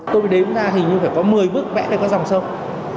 tôi đếm ra hình như phải có một mươi bước vẽ về các dòng sông